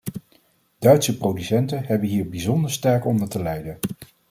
Duitse producenten hebben hier bijzonder sterk onder te lijden.